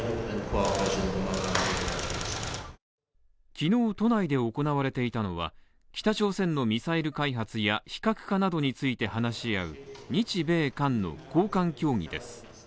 昨日都内で行われていたのは北朝鮮のミサイル開発や非核化などについて話し合う日米韓の高官協議です